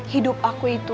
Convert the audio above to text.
hidup aku itu